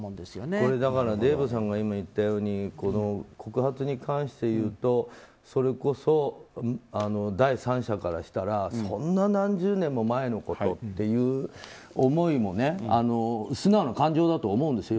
これだからデーブさんが今言ったように告発に関して言うとそれこそ第三者からしたらそんな、何十年も前のことっていう思いも素直な感情だとは思うんですよ。